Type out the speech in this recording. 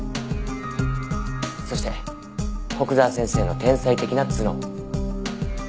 そして古久沢先生の天才的な頭脳。